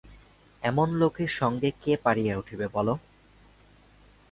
এমন লোকের সঙ্গে কে পারিয়া উঠিবে বলো।